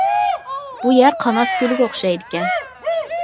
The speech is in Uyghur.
بۇ يەر قاناس كۆلىگە ئوخشايدىكەن.